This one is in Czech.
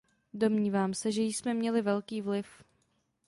Domnívám se, že jsme měli velký vliv.